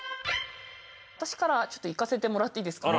私からちょっといかせてもらっていいですか。